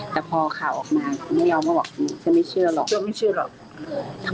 แต่พอข่าวออกมาไม่เอามาบอกฉันฉันไม่เชื่อหรอก